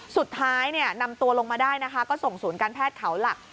สุดท้ายนำตัวลงมาได้นะคะก็ส่งศูนย์การแพทย์เขาหลัก